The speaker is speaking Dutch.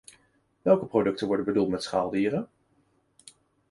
Welke producten worden bedoeld met schaaldieren?